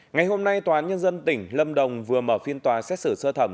ngày hôm nay tòa án nhân dân tỉnh lâm đồng vừa mở phiên tòa xét xử sơ thẩm